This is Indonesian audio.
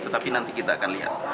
tetapi nanti kita akan lihat